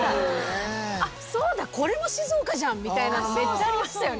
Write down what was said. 「あっそうだこれも静岡じゃん」みたいなのめっちゃありましたよね。